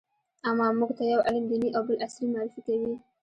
اما موږ ته يو علم دیني او بل عصري معرفي کوي.